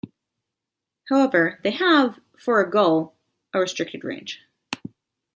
However, they have, for a gull, a restricted range.